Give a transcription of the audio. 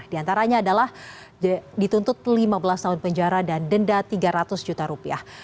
di antaranya adalah dituntut lima belas tahun penjara dan denda tiga ratus juta rupiah